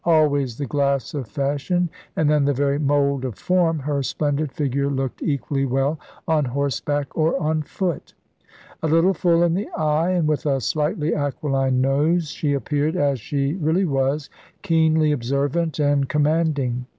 Always *the glass of fashion' and then the very 'mould of form' her splendid figure looked equally well on horseback or on foot. A little full in the eye, and with a slightly aquiline nose, she appeared, as she really was, keenly observant and com manding.